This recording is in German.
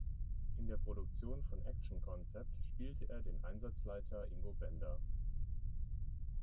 In der Produktion von action concept spielte er den Einsatzleiter "Ingo Bender".